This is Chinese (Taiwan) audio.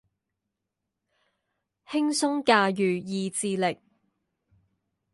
輕鬆駕馭意志力